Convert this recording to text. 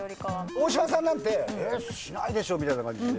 大島さんなんて「しないでしょ」みたいな感じで。